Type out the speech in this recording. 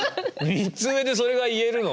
３つ上でそれが言えるの？